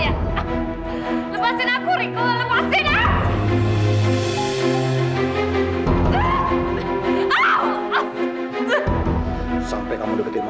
lepasin aku riko